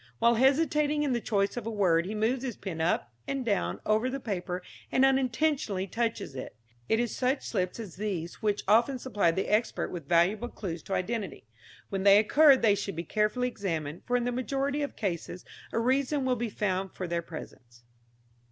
While hesitating in the choice of a word he moves his pen up and down over the paper, and unintentionally touches it. It is such slips as these which often supply the expert with valuable clues to identity. When they occur they should be carefully examined, for in the majority of cases a reason will be found for their presence.